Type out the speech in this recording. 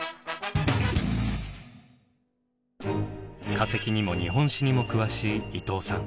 化石にも日本史にも詳しい伊藤さん。